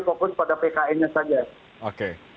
fokus pada pkn nya saja oke